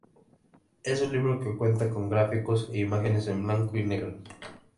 Es un libro que cuenta con gráficos e imágenes en blanco y negro.